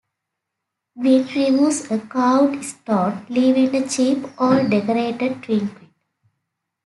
Gwyn removes a carved stone, leaving a cheap owl-decorated trinket.